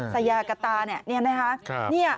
สายากาตานี่นะครับ